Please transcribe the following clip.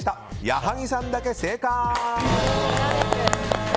矢作さんだけ正解！